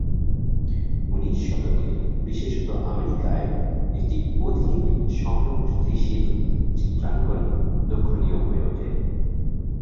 ঊনিশ শতকে বিশেষত আমেরিকায়, একটি অধিক সহানুভূতিশীল চিত্রাঙ্কন লক্ষ্যনীয় হয়ে ওঠে।